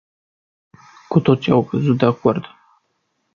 Cu toții au căzut de acord.